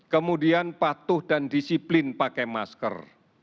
kemudian patuh dan disiplin pakai masker